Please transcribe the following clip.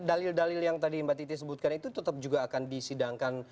dalil dalil yang tadi mbak titi sebutkan itu tetap juga akan disidangkan